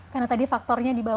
karena tadi faktornya di bawah itu